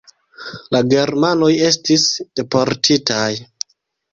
La germanoj estis deportitaj.